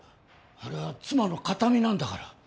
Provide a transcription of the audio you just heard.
あれは妻の形見なんだから。